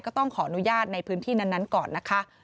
ก็ต้องขออนุญาตในพื้นที่นั้นก่อนนะคะ